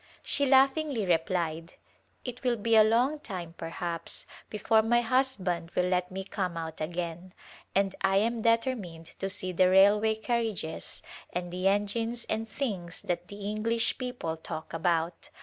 She laughingly replied, " It will be a long time, perhaps, before my husband will let me come out again, and I am determined to see the railway carriages and the engines and things that the English people talk about.